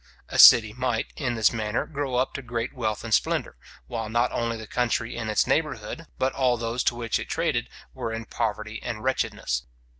A city might, in this manner, grow up to great wealth and splendour, while not only the country in its neighbourhood, but all those to which it traded, were in poverty and wretchedness.